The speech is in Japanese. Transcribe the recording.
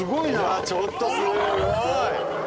うわっちょっとすごい！